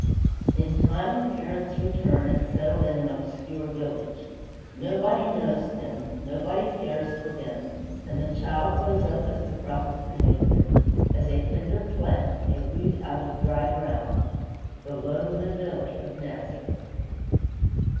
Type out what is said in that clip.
In time the parents return and settle in an obscure village. Nobody knows them, nobody cares for them, and the child grows up as the prophet predicted, "As a tender plant, a root out of dry ground;" the lonely lily of Nazareth.